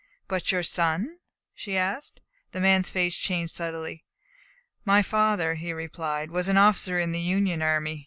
"But your son?" she asked. The man's face changed subtly. "My father," he replied, "was an officer in the Union army.